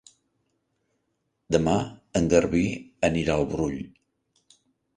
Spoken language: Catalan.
Demà en Garbí anirà al Brull.